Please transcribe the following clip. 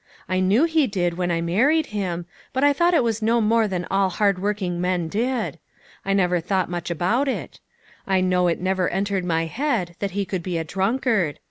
I knew he did when I married him, but I thought it was no more than all hard working men did. I never thought much about it. I know it never entered my head that he could be a drunkard.